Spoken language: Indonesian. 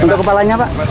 untuk kepalanya pak